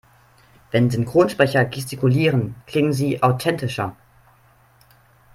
Wenn Synchronsprecher gestikulieren, klingen sie authentischer.